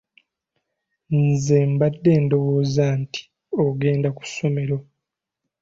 Nze mbadde ndowooza nti ogende ku ssomero.